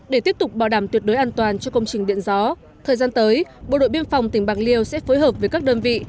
để tiếp tục bảo đảm tuyệt đối an toàn cho công trình điện gió thời gian tới bộ đội biên phòng tỉnh bạc liêu sẽ phối hợp với các đơn vị